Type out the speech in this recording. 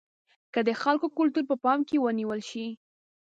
که د خلکو کلتور په پام کې ونیول شي.